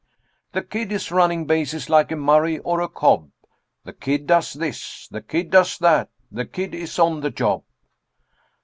"The Kid is running bases like a Murray or a Cobb, The Kid does this, the Kid does that, the Kid is on the job."